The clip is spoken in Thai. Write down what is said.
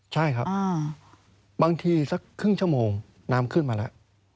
ใช่ครับบางทีสักครึ่งชั่วโมงน้ำขึ้นมาแล้ว